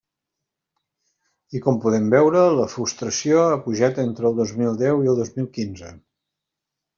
I com podem veure, la frustració ha pujat entre el dos mil deu i el dos mil quinze.